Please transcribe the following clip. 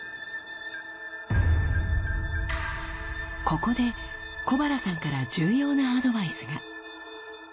ここで小原さんから重要なアドバイスが。